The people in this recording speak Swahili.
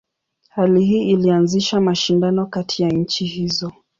Hali hii ilianzisha mashindano kati ya nchi hizo.